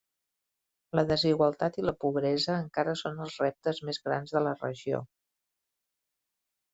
La desigualtat i la pobresa encara són els reptes més grans de la regió.